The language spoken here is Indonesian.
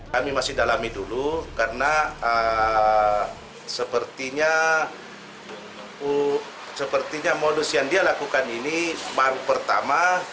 kami masih dalami dulu karena sepertinya sepertinya modus yang dia lakukan ini baru pertama